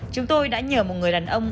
chúng tôi đã nhờ một người đàn ông